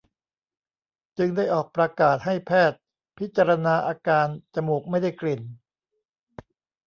จึงได้ออกประกาศให้แพทย์พิจารณาอาการจมูกไม่ได้กลิ่น